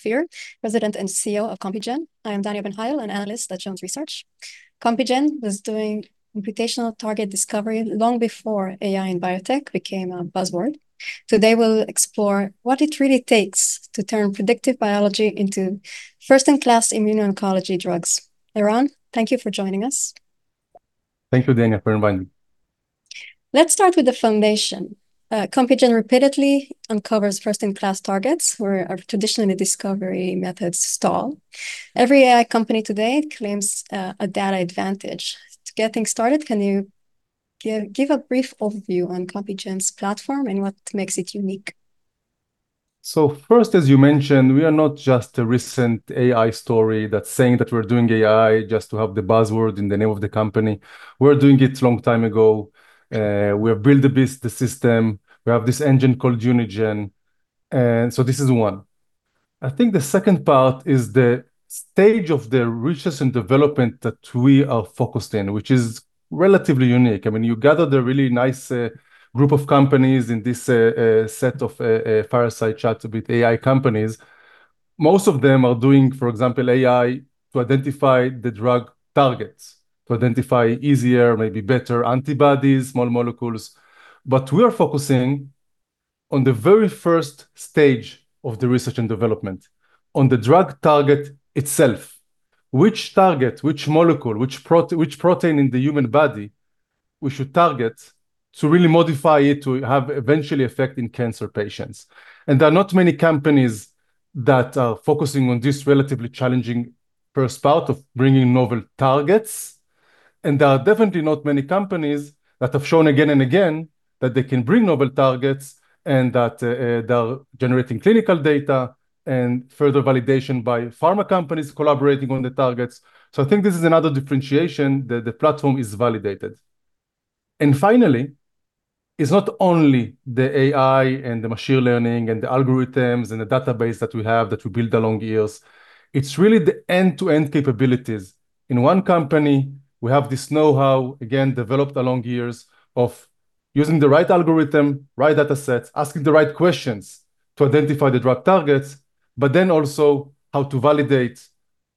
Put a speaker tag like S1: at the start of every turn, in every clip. S1: Founder, president, and CEO of Compugen. I am Danya Ben-Hail, an analyst at Jones Research. Compugen was doing computational target discovery long before AI and biotech became a buzzword. Today, we'll explore what it really takes to turn predictive biology into first-in-class immuno-oncology drugs. Eran, thank you for joining us.
S2: Thank you, Danya for inviting me.
S1: Let's start with the foundation. Compugen repeatedly uncovers first-in-class targets where our traditional discovery methods stall. Every AI company today claims a data advantage. To get things started, can you give a brief overview on Compugen's platform and what makes it unique?
S2: First, as you mentioned, we are not just a recent AI story that's saying that we're doing AI just to have the buzzword in the name of the company. We're doing it long time ago. We have built the system. We have this engine called Unigen. This is one. I think the second part is the stage of the research and development that we are focused in, which is relatively unique. You gather the really nice group of companies in this set of Fireside chat with AI companies. Most of them are doing, for example, AI to identify the drug targets, to identify easier, maybe better antibodies, small molecules. We are focusing on the very first stage of the research and development, on the drug target itself. Which target, which molecule, which protein in the human body we should target to really modify it to have eventually effect in cancer patients. There are not many companies that are focusing on this relatively challenging first part of bringing novel targets, there are definitely not many companies that have shown again and again that they can bring novel targets, they are generating clinical data, further validation by pharma companies collaborating on the targets. I think this is another differentiation that the platform is validated. Finally, it's not only the AI, the machine learning, the algorithms, the database that we have, that we build along years. It's really the end-to-end capabilities. In one company, we have this knowhow, again, developed along years of using the right algorithm, right data sets, asking the right questions to identify the drug targets, also how to validate,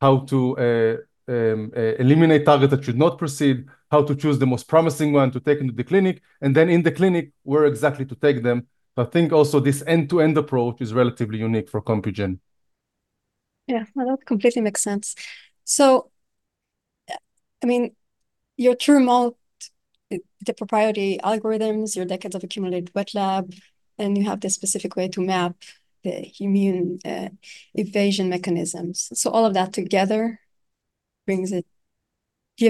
S2: how to eliminate target that should not proceed, how to choose the most promising one to take into the clinic, then in the clinic, where exactly to take them. Think also, this end-to-end approach is relatively unique for Compugen.
S1: Yeah. No, that completely makes sense. Your tumor microenvironment, the proprietary algorithms, your decades of accumulated wet lab, you have the specific way to map the immune evasion mechanisms. All of that together gives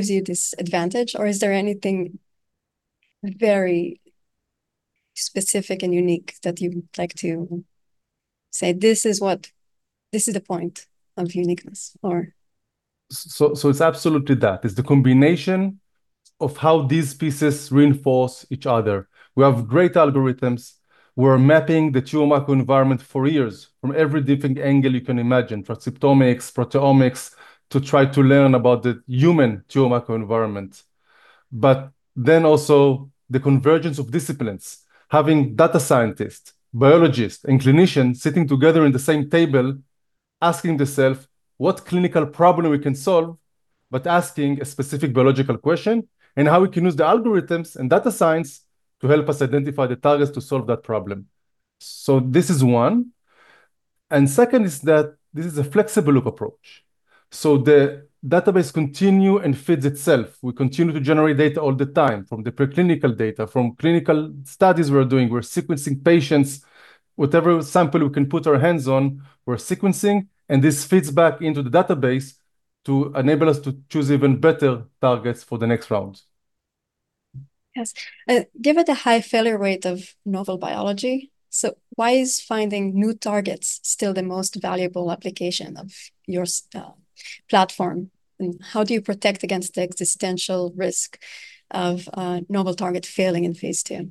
S1: you this advantage? Is there anything very specific and unique that you'd like to say, "This is the point of uniqueness." Or,
S2: It's absolutely that. It's the combination of how these pieces reinforce each other. We have great algorithms. We're mapping the tumor microenvironment for years, from every different angle you can imagine, transcriptomics, proteomics, to try to learn about the human tumor microenvironment. Also, the convergence of disciplines, having data scientists, biologists, and clinicians sitting together in the same table, asking themselves, "What clinical problem we can solve?" Asking a specific biological question, how we can use the algorithms and data science to help us identify the targets to solve that problem. This is one. Second is that this is a flexible approach. The database continue and feeds itself. We continue to generate data all the time, from the preclinical data, from clinical studies we are doing. We're sequencing patients. Whatever sample we can put our hands on, we're sequencing. This feeds back into the database to enable us to choose even better targets for the next round.
S1: Yes. Given the high failure rate of novel biology, why is finding new targets still the most valuable application of your platform? How do you protect against the existential risk of novel target failing in phase II?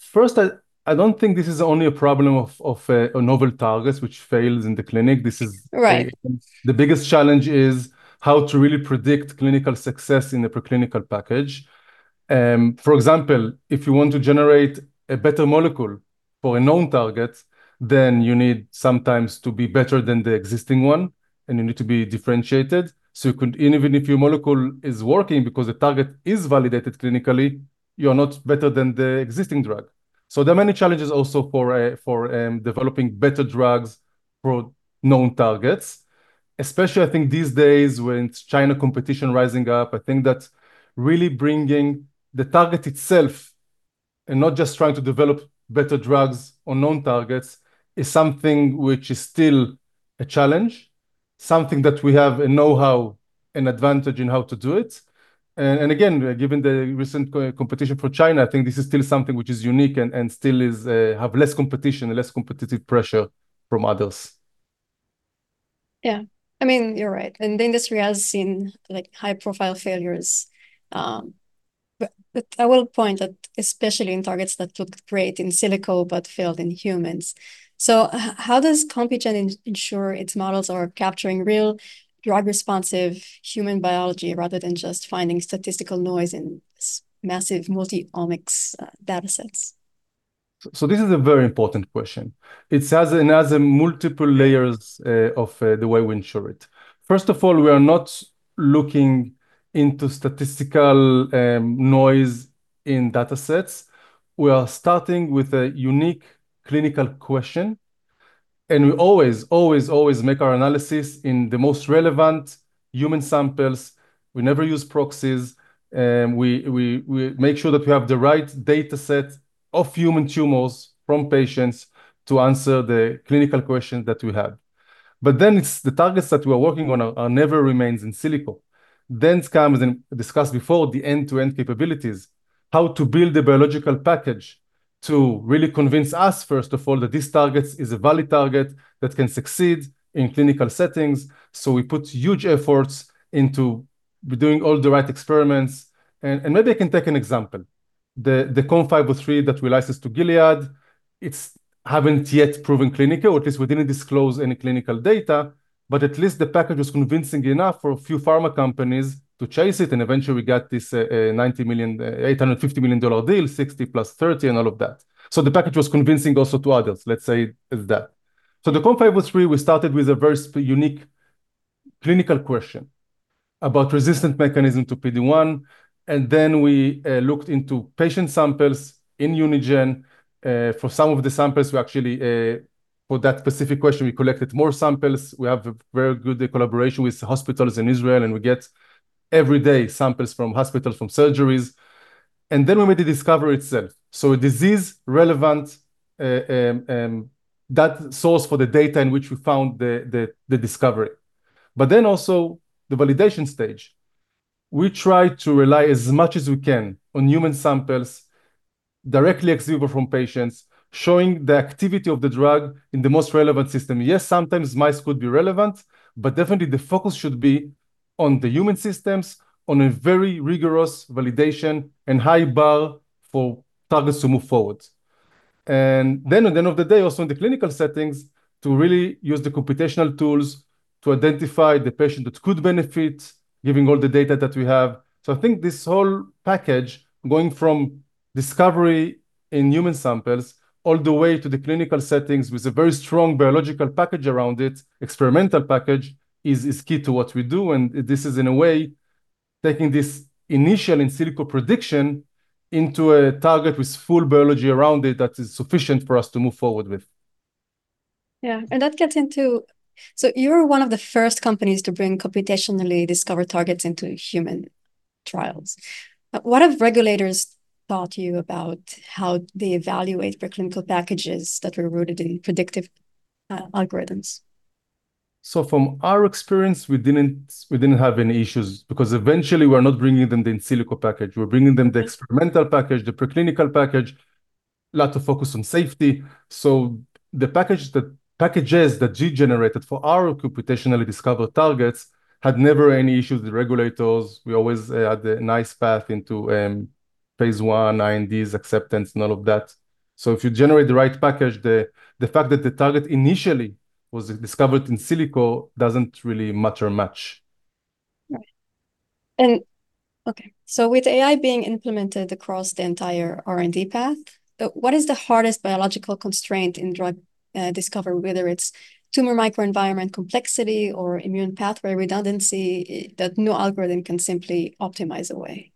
S2: First, I don't think this is only a problem of a novel target which fails in the clinic.
S1: Right
S2: The biggest challenge is how to really predict clinical success in a preclinical package. For example, if you want to generate a better molecule for a known target, you need sometimes to be better than the existing one. You need to be differentiated. Even if your molecule is working because the target is validated clinically, you're not better than the existing drug. There are many challenges also for developing better drugs for known targets, especially, I think, these days with China competition rising up. I think that's really bringing the target itself, not just trying to develop better drugs or known targets, is something which is still a challenge. Something that we have a knowhow and advantage in how to do it. Again, given the recent competition for China, I think this is still something which is unique and still have less competition and less competitive pressure from others.
S1: Yeah. You're right. The industry has seen high-profile failures. I will point that especially in targets that looked great in silico but failed in humans. How does Compugen ensure its models are capturing real drug-responsive human biology rather than just finding statistical noise in massive multi-omics datasets?
S2: This is a very important question. It has multiple layers of the way we ensure it. First of all, we are not looking into statistical noise in data sets. We are starting with a unique clinical question, we always, always make our analysis in the most relevant human samples. We never use proxies. We make sure that we have the right data set of human tumors from patients to answer the clinical questions that we have. The targets that we are working on are never remains in silico. Comes, and discussed before, the end-to-end capabilities, how to build a biological package to really convince us, first of all, that this target is a valid target that can succeed in clinical settings. We put huge efforts into doing all the right experiments. Maybe I can take an example. The COM503 that we licensed to Gilead, it's haven't yet proven clinical, or at least we didn't disclose any clinical data, at least the package was convincing enough for a few pharma companies to chase it, eventually we got this $850 million deal, 60 plus 30, all of that. The COM503, we started with a very unique clinical question about resistant mechanism to PD-1, we looked into patient samples in Unigen. For some of the samples, for that specific question, we collected more samples. We have a very good collaboration with hospitals in Israel, we get, every day, samples from hospitals, from surgeries. We made the discovery itself. A disease relevant, that source for the data in which we found the discovery. Also the validation stage. We try to rely as much as we can on human samples directly ex vivo from patients, showing the activity of the drug in the most relevant system. Yes, sometimes mice could be relevant, but definitely the focus should be on the human systems, on a very rigorous validation and high bar for targets to move forward. Then, at the end of the day, also in the clinical settings, to really use the computational tools to identify the patient that could benefit, giving all the data that we have. I think this whole package, going from discovery in human samples all the way to the clinical settings, with a very strong biological package around it, experimental package, is key to what we do. This is, in a way, taking this initial in silico prediction into a target with full biology around it that is sufficient for us to move forward with.
S1: You're one of the first companies to bring computationally discovered targets into human trials. What have regulators taught you about how they evaluate preclinical packages that were rooted in predictive algorithms?
S2: From our experience, we didn't have any issues because eventually, we're not bringing them the in silico package. We're bringing them the experimental package, the preclinical package. Lot of focus on safety. The packages that we generated for our computationally discovered targets had never any issues with regulators. We always had a nice path into phase I, INDs acceptance and all of that. If you generate the right package, the fact that the target initially was discovered in silico doesn't really matter much.
S1: Right. Okay. With AI being implemented across the entire R&D path, what is the hardest biological constraint in drug discovery, whether it's tumor microenvironment complexity or immune pathway redundancy, that no algorithm can simply optimize away?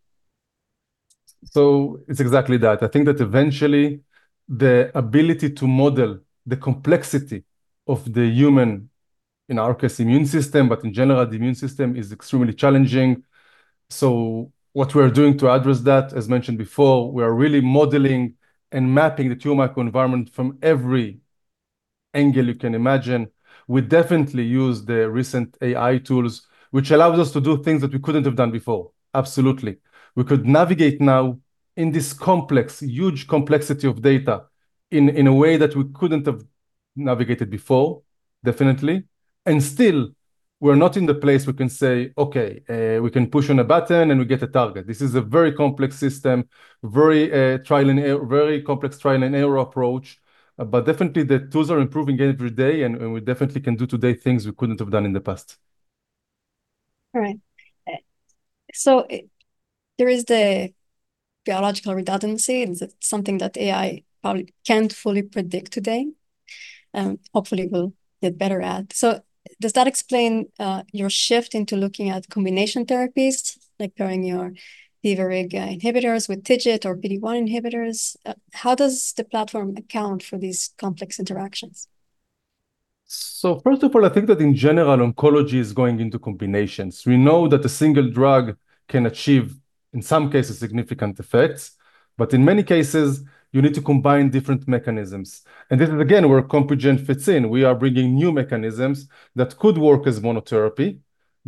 S2: It's exactly that. I think that eventually, the ability to model the complexity of the human, in our case, immune system, but in general, the immune system, is extremely challenging. What we are doing to address that, as mentioned before, we are really modeling and mapping the tumor microenvironment from every angle you can imagine. We definitely use the recent AI tools, which allows us to do things that we couldn't have done before. Absolutely. We could navigate now in this complex, huge complexity of data in a way that we couldn't have navigated before, definitely. Still, we're not in the place we can say, "Okay, we can push on a button, and we get a target." This is a very complex system, very complex trial and error approach. Definitely, the tools are improving every day, and we definitely can do today things we couldn't have done in the past.
S1: Right. There is the biological redundancy, and that's something that AI probably can't fully predict today, and hopefully will get better at. Does that explain your shift into looking at combination therapies, like pairing your PVRIG inhibitors with TIGIT or PD-1 inhibitors? How does the platform account for these complex interactions?
S2: First of all, I think that, in general, oncology is going into combinations. We know that a single drug can achieve, in some cases, significant effects, but in many cases, you need to combine different mechanisms. This is, again, where Compugen fits in. We are bringing new mechanisms that could work as monotherapy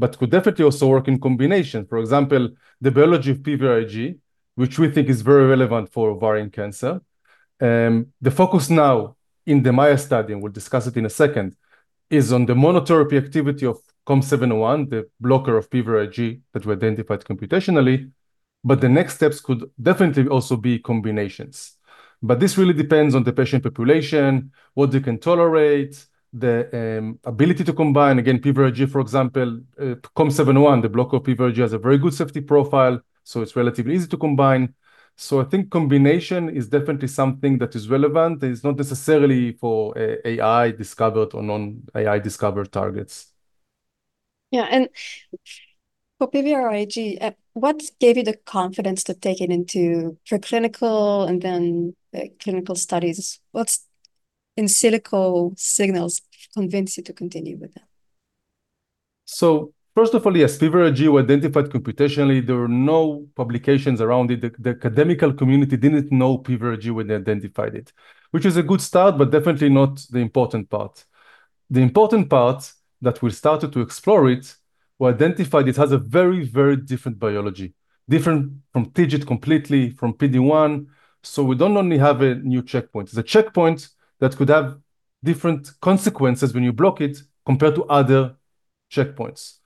S2: but could definitely also work in combination. For example, the biology of PVRIG, which we think is very relevant for ovarian cancer. The focus now in the MAIA study, and we will discuss it in a second, is on the monotherapy activity of COM701, the blocker of PVRIG that we identified computationally. The next steps could definitely also be combinations. This really depends on the patient population, what they can tolerate, the ability to combine. Again, PVRIG, for example, COM701, the block of PVRIG, has a very good safety profile, so it's relatively easy to combine. I think combination is definitely something that is relevant. It's not necessarily for AI-discovered or non-AI-discovered targets.
S1: Yeah. For PVRIG, what gave you the confidence to take it into preclinical and then clinical studies? What in silico signals convinced you to continue with that?
S2: First of all, yes, PVRIG was identified computationally. There were no publications around it. The academic community didn't know PVRIG when they identified it, which is a good start, but definitely not the important part. The important part that we started to explore it, we identified it has a very, very different biology, different from TIGIT completely, from PD-1. We don't only have a new checkpoint. It's a checkpoint that could have different consequences when you block it compared to other checkpoints.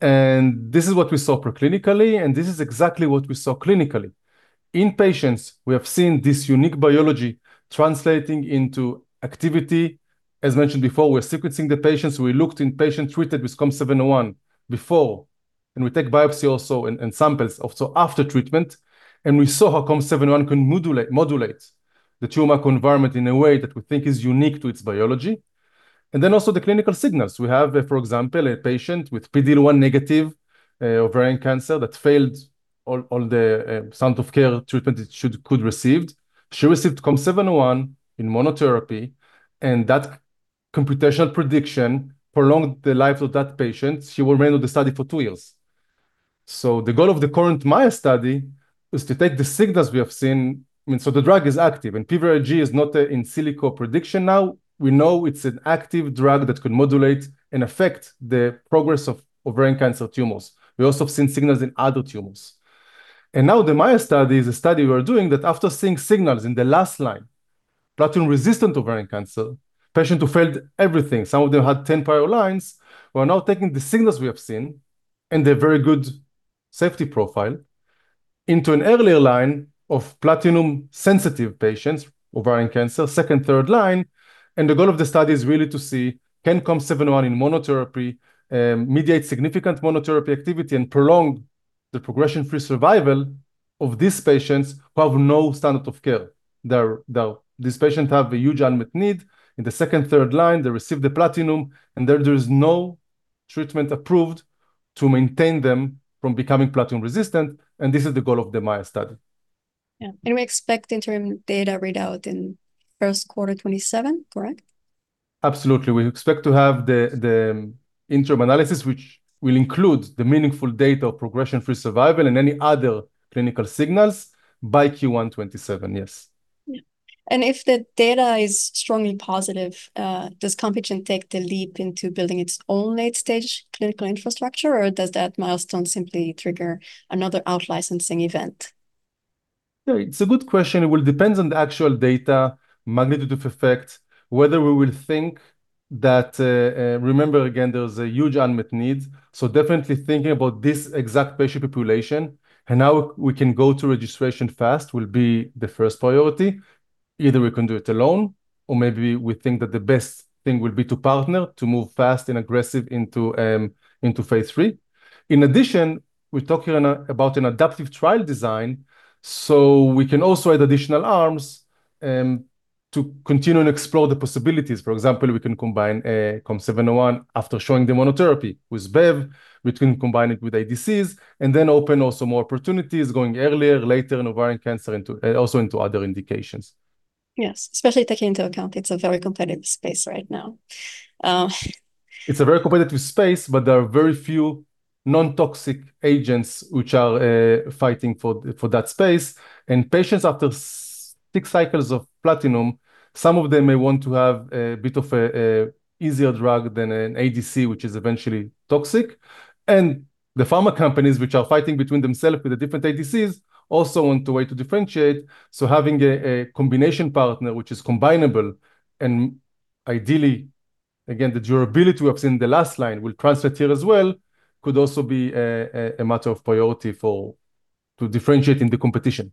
S2: This is what we saw preclinically, and this is exactly what we saw clinically. In patients, we have seen this unique biology translating into activity. As mentioned before, we're sequencing the patients. We looked in patients treated with COM701 before. We take biopsy also, and samples also after treatment. We saw how COM701 can modulate the tumor microenvironment in a way that we think is unique to its biology. Also the clinical signals. We have, for example, a patient with PD-L1 negative ovarian cancer that failed all the standard of care treatment it could receive. She received COM701 in monotherapy, and that computational prediction prolonged the life of that patient. She remained on the study for two years. The goal of the current MAIA-ovarian study is to take the signals we have seen. The drug is active, and PVRIG is not in silico prediction now. We know it's an active drug that could modulate and affect the progress of ovarian cancer tumors. We also have seen signals in other tumors. The MAIA-ovarian study is a study we are doing that after seeing signals in the last line, platinum-resistant ovarian cancer, patient who failed everything, some of them had 10 prior lines. We are now taking the signals we have seen and their very good safety profile into an earlier line of platinum-sensitive patients, ovarian cancer, second, third line. The goal of the study is really to see, can COM701 in monotherapy, mediate significant monotherapy activity and prolong the progression-free survival of these patients who have no standard of care? These patients have a huge unmet need. In the second, third line, they receive the platinum. There is no treatment approved to maintain them from becoming platinum-resistant, and this is the goal of the MAIA-ovarian study.
S1: Yeah. We expect interim data readout in first quarter 2027, correct?
S2: Absolutely. We expect to have the interim analysis, which will include the meaningful data progression-free survival and any other clinical signals, by Q1 2027, yes.
S1: Yeah. If the data is strongly positive, does Compugen take the leap into building its own late-stage clinical infrastructure, or does that milestone simply trigger another out-licensing event?
S2: Yeah, it's a good question. It will depend on the actual data, magnitude of effect, whether we will think that, remember, again, there's a huge unmet need. Definitely thinking about this exact patient population and how we can go to registration fast will be the first priority. Either we can do it alone or maybe we think that the best thing would be to partner to move fast and aggressive into phase III. In addition, we're talking about an adaptive trial design, we can also add additional arms, to continue and explore the possibilities. For example, we can combine COM701 after showing the monotherapy with bevacizumab. We can combine it with ADCs and then open also more opportunities going earlier, later in ovarian cancer, and also into other indications.
S1: Yes, especially taking into account it's a very competitive space right now.
S2: It's a very competitive space, there are very few non-toxic agents which are fighting for that space. Patients after six cycles of platinum, some of them may want to have a bit of a easier drug than an ADC, which is eventually toxic. The pharma companies, which are fighting between themselves with the different ADCs, also want a way to differentiate. Having a combination partner which is combinable and ideally, again, the durability we have seen in the last line will translate here as well, could also be a matter of priority to differentiate in the competition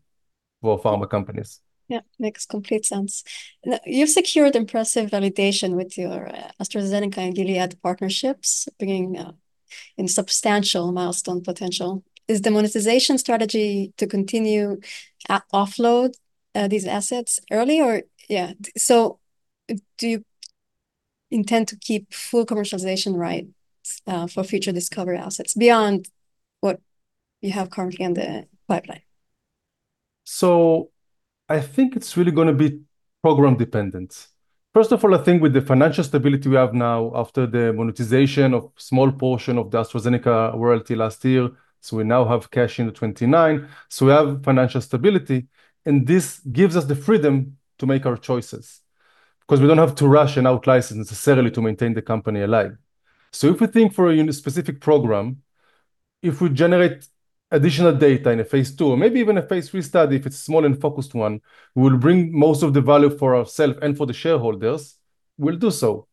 S2: for pharma companies.
S1: Yeah. Makes complete sense. You've secured impressive validation with your AstraZeneca and Gilead partnerships, bringing in substantial milestone potential. Is the monetization strategy to continue, offload these assets early? Do you intend to keep full commercialization right, for future discovery assets beyond what you have currently in the pipeline?
S2: I think it's really going to be program dependent. First of all, I think with the financial stability we have now after the monetization of small portion of the AstraZeneca royalty last year, we now have cash in the $29, we have financial stability, and this gives us the freedom to make our choices, because we don't have to rush and out-license necessarily to maintain the company alive. If we think for a specific program, if we generate additional data in a phase II or maybe even a phase III study, if it's a small and focused one, we will bring most of the value for ourself and for the shareholders. We'll do so.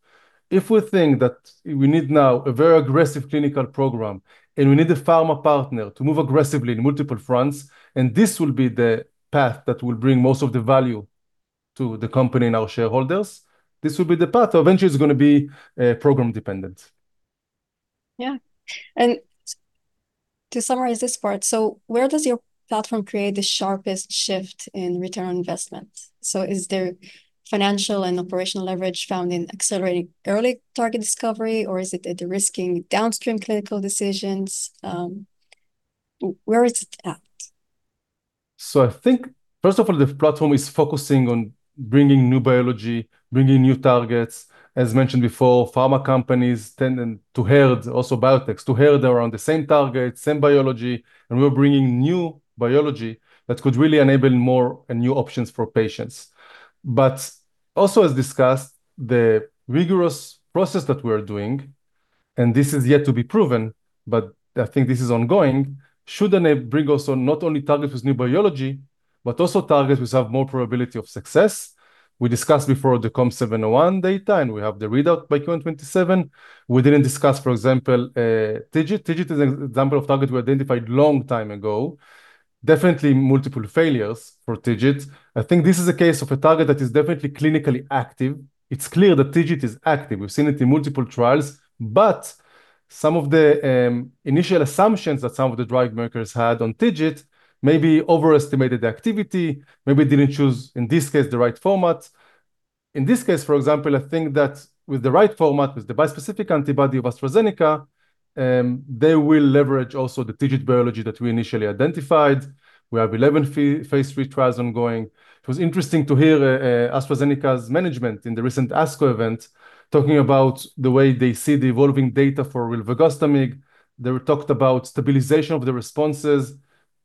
S2: If we think that we need now a very aggressive clinical program, and we need a pharma partner to move aggressively in multiple fronts, and this will be the path that will bring most of the value to the company and our shareholders, this will be the path. Eventually, it's going to be program dependent.
S1: Yeah. To summarize this part, where does your platform create the sharpest shift in return on investment? Is there financial and operational leverage found in accelerating early target discovery, or is it at de-risking downstream clinical decisions? Where is it at?
S2: I think, first of all, the platform is focusing on bringing new biology, bringing new targets. As mentioned before, pharma companies tend to herd, also biotechs, to herd around the same target, same biology, and we're bringing new biology that could really enable more and new options for patients. Also, as discussed, the rigorous process that we are doing, and this is yet to be proven, but I think this is ongoing, should enable, bring us not only targets with new biology, but also targets which have more probability of success. We discussed before the COM701 data, and we have the readout by Q1 2027. We didn't discuss, for example, TIGIT. TIGIT is an example of target we identified long time ago. Definitely multiple failures for TIGIT. I think this is a case of a target that is definitely clinically active. It's clear that TIGIT is active. We've seen it in multiple trials. Some of the initial assumptions that some of the drug makers had on TIGIT maybe overestimated the activity, maybe didn't choose, in this case, the right format. In this case, for example, I think that with the right format, with the bispecific antibody of AstraZeneca, they will leverage also the TIGIT biology that we initially identified. We have 11 phase III trials ongoing. It was interesting to hear AstraZeneca's management in the recent ASCO event, talking about the way they see the evolving data for rilvegostomig. They talked about stabilization of the responses.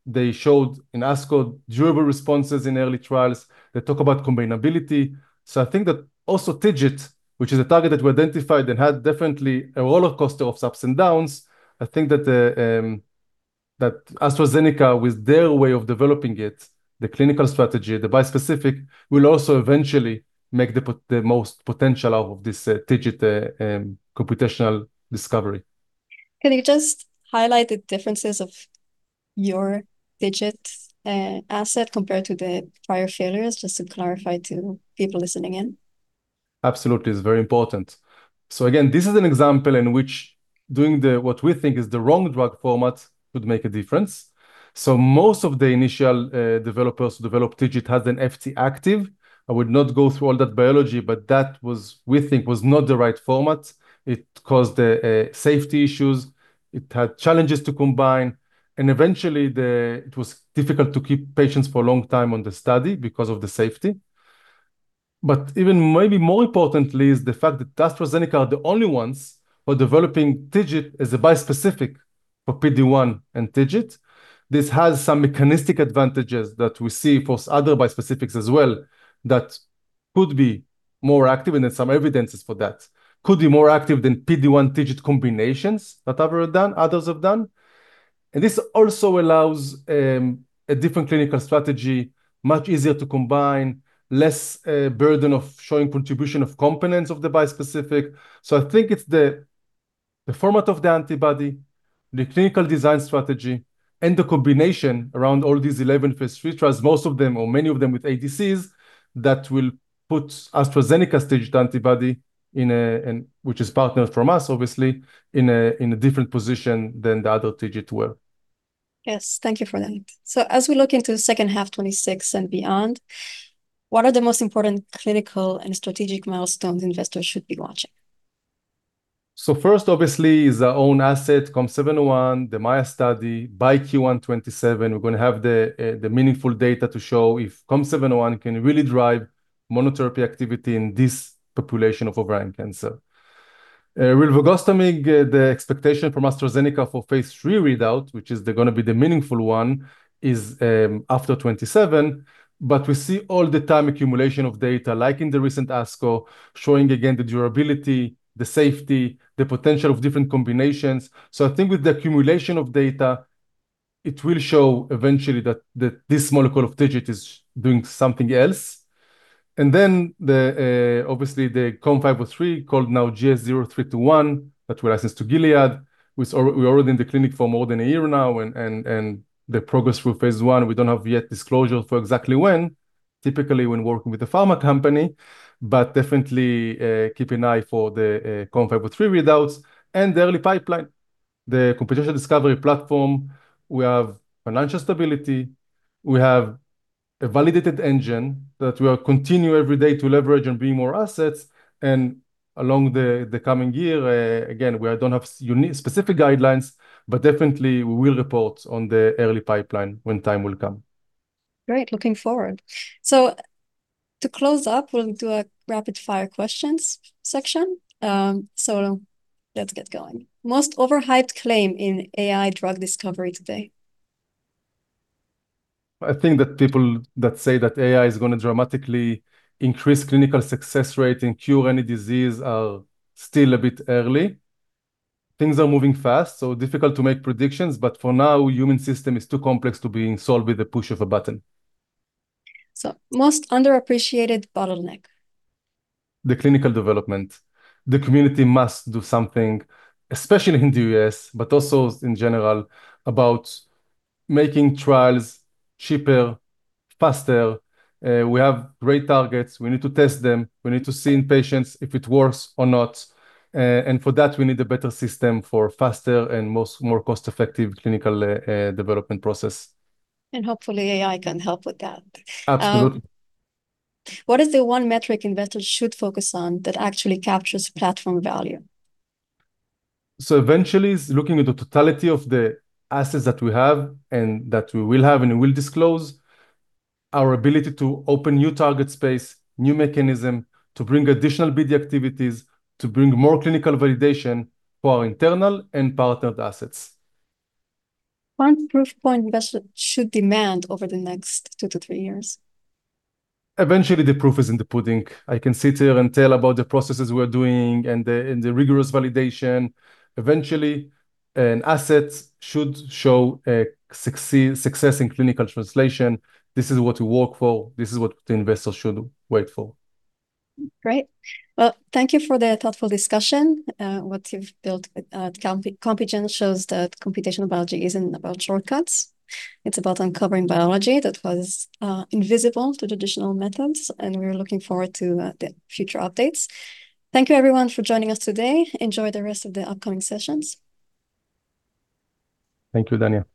S2: They showed in ASCO durable responses in early trials. They talk about combinability. I think that also TIGIT, which is a target that we identified and had definitely a roller coaster of ups and downs, I think that AstraZeneca, with their way of developing it, the clinical strategy, the bispecific, will also eventually make the most potential out of this TIGIT computational discovery.
S1: Can you just highlight the differences of your TIGIT asset compared to the prior failures, just to clarify to people listening in?
S2: Absolutely. It's very important. Again, this is an example in which doing what we think is the wrong drug format could make a difference. Most of the initial developers who developed TIGIT had an Fc active. I would not go through all that biology, but that was, we think, was not the right format. It caused safety issues, it had challenges to combine, and eventually, it was difficult to keep patients for a long time on the study because of the safety. Even maybe more importantly is the fact that AstraZeneca are the only ones who are developing TIGIT as a bispecific for PD-1 and TIGIT. This has some mechanistic advantages that we see for other bispecifics as well that could be more active, and then some evidence is for that, could be more active than PD-1/TIGIT combinations that others have done. This also allows a different clinical strategy, much easier to combine, less burden of showing contribution of components of the bispecific. I think it's the format of the antibody, the clinical design strategy, and the combination around all these 11 phase III trials, most of them, or many of them, with ADCs, that will put AstraZeneca's TIGIT antibody, which is partnered from us, obviously, in a different position than the other TIGIT will.
S1: Yes. Thank you for that. As we look into the second half 2026 and beyond, what are the most important clinical and strategic milestones investors should be watching?
S2: First, obviously, is our own asset, COM701, the MAIA study. By Q1 2027, we're going to have the meaningful data to show if COM701 can really drive monotherapy activity in this population of ovarian cancer. rilvegostomig, the expectation from AstraZeneca for phase III readout, which is going to be the meaningful one, is after 2027, but we see all the time accumulation of data, like in the recent ASCO, showing again the durability, the safety, the potential of different combinations. I think with the accumulation of data, it will show eventually that this molecule of TIGIT is doing something else. Then, obviously, the COM503, called now GS-0321, that we licensed to Gilead, we're already in the clinic for more than a year now, and the progress for phase I, we don't have yet disclosure for exactly when, typically when working with a pharma company. Definitely keep an eye for the COMP903 readouts and the early pipeline. The computational discovery platform, we have financial stability. We have a validated engine that we are continue every day to leverage and bring more assets. Along the coming year, again, we don't have specific guidelines, but definitely, we will report on the early pipeline when time will come.
S1: Great. Looking forward. To close up, we'll do a rapid-fire questions section. Let's get going. Most overhyped claim in AI drug discovery today?
S2: I think that people that say that AI is going to dramatically increase clinical success rate and cure any disease are still a bit early. Things are moving fast, difficult to make predictions, but for now, human system is too complex to being solved with the push of a button.
S1: Most underappreciated bottleneck?
S2: The clinical development. The community must do something, especially in the U.S., but also in general, about making trials cheaper, faster. We have great targets. We need to test them. We need to see in patients if it works or not. For that, we need a better system for faster and more cost-effective clinical development process.
S1: Hopefully AI can help with that.
S2: Absolutely.
S1: What is the one metric investors should focus on that actually captures platform value?
S2: Eventually, it's looking at the totality of the assets that we have and that we will have and we will disclose, our ability to open new target space, new mechanism, to bring additional BD activities, to bring more clinical validation for our internal and partnered assets.
S1: One proof point investors should demand over the next two to three years?
S2: Eventually, the proof is in the pudding. I can sit here and tell about the processes we are doing and the rigorous validation. Eventually, an asset should show success in clinical translation. This is what we work for. This is what the investors should wait for.
S1: Great. Well, thank you for the thoughtful discussion. What you've built at Compugen shows that computational biology isn't about shortcuts. It's about uncovering biology that was invisible to traditional methods. We're looking forward to the future updates. Thank you, everyone, for joining us today. Enjoy the rest of the upcoming sessions.
S2: Thank you, Danya.